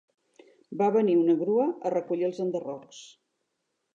Va venir una grua a recollir els enderrocs.